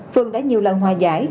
phường đã nhiều lần hòa giải